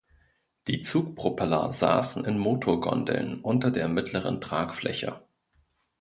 Die Zugpropeller saßen in Motorgondeln unter der mittleren Tragfläche.